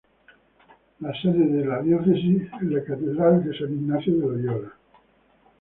La sede de la Diócesis es la Catedral de San Ignacio de Loyola.